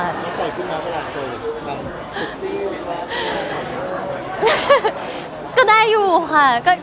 แล้วก็ใจขึ้นมาเวลาเคยสุขซีซสุดแล้วจะได้ถ่ายช่วง